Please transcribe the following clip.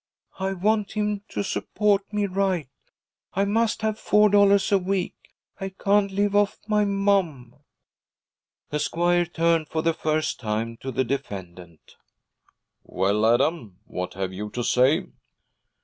'I want him to support me right. I must have four dollars a week. I can't live off my mom.' The squire turned for the first time to the defendant. 'Well, Adam, what have you to say?'